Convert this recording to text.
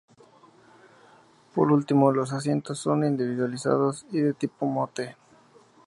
Por último, los asientos, son individualizados y de tipo "Motte".